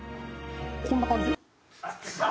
こんな感じ？